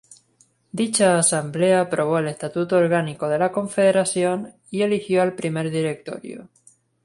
Dicha Asamblea aprobó el Estatuto Orgánico de la Confederación y eligió al primer Directorio.